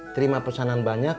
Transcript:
terima pesanan banyak